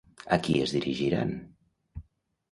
A qui es dirigiran?